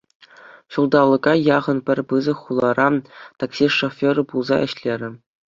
Ҫулталӑка яхӑн пӗр пысӑк хулара такси шоферӗ пулса ӗҫлерӗ.